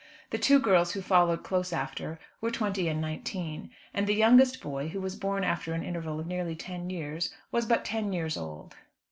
The two girls who followed close after were twenty and nineteen, and the youngest boy, who was born after an interval of nearly ten years, was but ten years old.